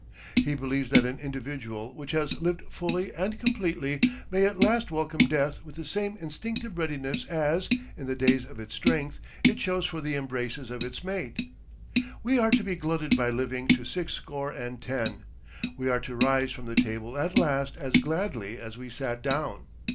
He believes that an individual which has lived fully and completely may at last welcome death with the same instinctive readiness as, in the days of its strength, it shows for the embraces of its mate. We are to be glutted by living to six score and ten. We are to rise from the table at last as gladly as we sat down.